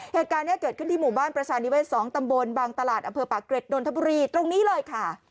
เหตุการณ์นี้เกิดขึ้นที่หมู่บ้านประชานิเศษ๒ตำบลบางตลาดอำเภอปากเกร็ดนนทบุรีตรงนี้เลยค่ะ